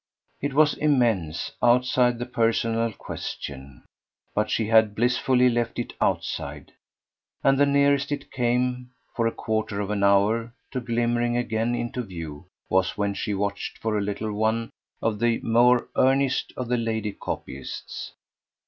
It was immense, outside, the personal question; but she had blissfully left it outside, and the nearest it came, for a quarter of an hour, to glimmering again into view was when she watched for a little one of the more earnest of the lady copyists.